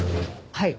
はい。